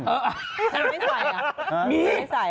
มันไม่ใส่